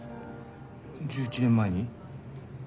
１１年前に？